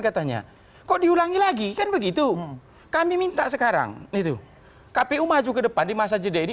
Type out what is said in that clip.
katanya kok diulangi lagi kan begitu kami minta sekarang itu kpu maju ke depan di masa jeda ini